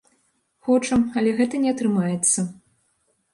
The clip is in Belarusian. Хочам, але гэта не атрымаецца.